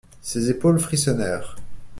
Ses épaules frissonnèrent.